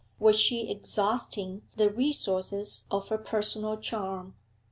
Was she exhausting the resources of her personal charm?